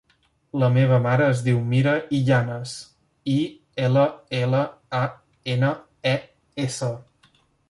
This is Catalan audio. La meva mare es diu Mira Illanes: i, ela, ela, a, ena, e, essa.